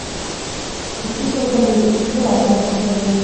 Такі гэта вы, выразна пазнаю.